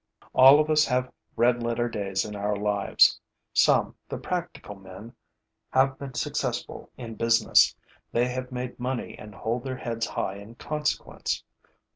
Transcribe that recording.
All of us have red letter days in our lives. Some, the practical men, have been successful in business; they have made money and hold their heads high in consequence.